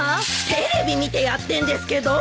テレビ見てやってんですけど！